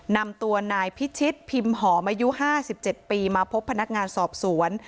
นำตัวนายพิชิตพิมพ์หอมอายุ๕๗ปีมาพบพนักงานสอบสวน